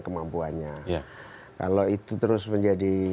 kemampuannya kalau itu terus menjadi